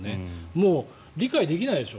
もう理解できないでしょ。